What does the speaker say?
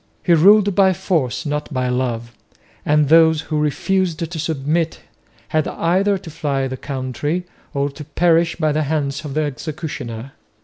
He ruled by force, not by love; and those who refused to submit had either to fly the country or to perish by the hands of the executioner.